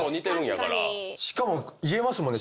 しかも言えますもんね。